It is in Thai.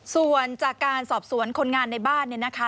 ส่วนจากการสอบสวนคนงานในบ้านเนี่ยนะคะ